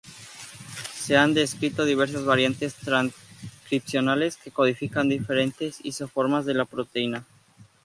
Se han descrito diversas variantes transcripcionales que codifican diferentes isoformas de la proteína.